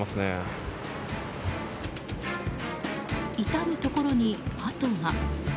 至るところにハトが。